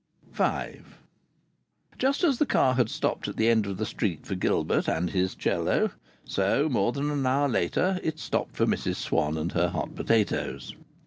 V Just as the car had stopped at the end of the street for Gilbert and his violoncello, so more than an hour later it stopped for Mrs Swann and her hot potatoes.